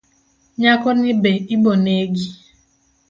Nyako ni be ibo negi